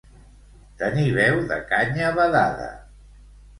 Tenir veu de canya badada.